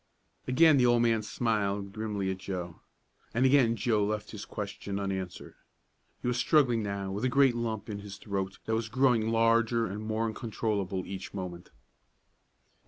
Again the old man smiled grimly at Joe, and again Joe left his question unanswered. He was struggling now with a great lump in his throat that was growing larger and more uncontrollable each moment.